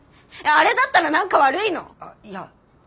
あれだったら何か悪いの？